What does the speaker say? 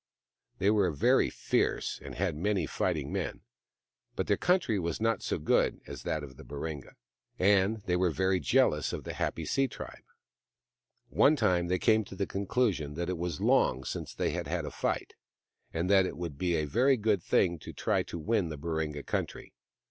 They were very fierce and had many fighting men ; but their country was not so good as that of the Baringa, and they were very jealous of the happy sea tribe. One time they came to the conclusion that it was long since they had had a fight — and that it would be a very good thing to try and win the Baringa country.